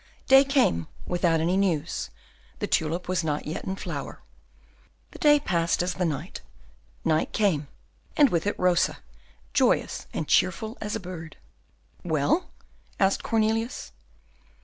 Day came, without any news; the tulip was not yet in flower. The day passed as the night. Night came, and with it Rosa, joyous and cheerful as a bird. "Well?" asked Cornelius.